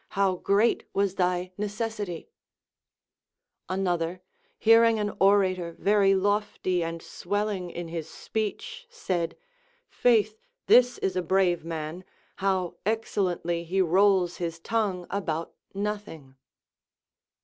how great was thy necessity ! Another, hearing an orator very lofty and swelling in his speech, said, Faith, this is a brave man, how excellently he rolls his tongue about nothing